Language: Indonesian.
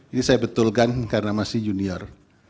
ini saya betulkan karena masih junior